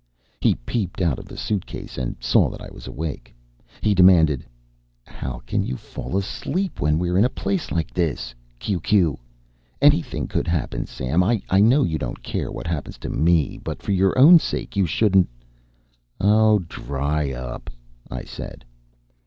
He peeped out of the suitcase and saw that I was awake. He demanded: HOW CAN YOU FALL ASLEEP WHEN WERE IN A PLACE LIKE THIS Q Q ANYTHING COULD HAPPEN SAM I KNOW YOU DONT CARE WHAT HAPPENS TO ME BUT FOR YOUR OWN SAKE YOU SHOULDNT "Oh, dry up," I said.